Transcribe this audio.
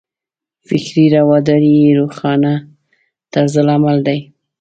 فکري رواداري یې روښانه طرز عمل دی.